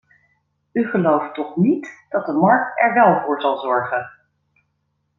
U gelooft toch niet dat de markt er wel voor zal zorgen?